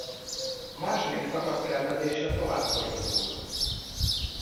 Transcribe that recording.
A második szakasz tervezése tovább folytatódott.